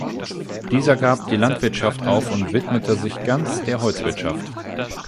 Dieser gab die Landwirtschaft auf und widmete sich ganz der Holzwirtschaft.